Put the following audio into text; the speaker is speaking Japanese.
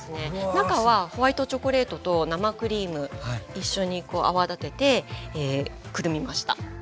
中はホワイトチョコレートと生クリーム一緒に泡立ててくるみました。